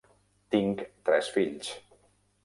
Tinc tres fills.